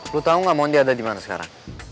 lu tau gak mau dia ada dimana sekarang